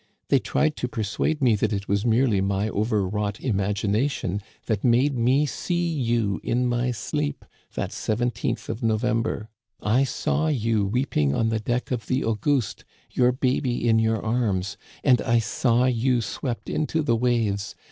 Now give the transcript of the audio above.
They tried to per suade me that it was merely my overwrought imagina tion that made me see you in my sleep, that 17th of November! I saw you weeping on the deck of the Auguste, your baby in your arms ; and I saw you swept into the waves.